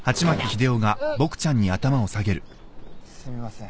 すみません。